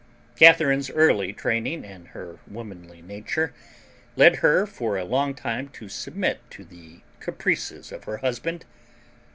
Catharine's early training and her womanly nature led her for a long time to submit to the caprices of her husband.